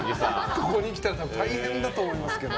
ここに来たら大変だと思いますけど。